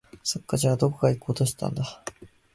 そっか、じゃあ、どこか行こうとしていたんだ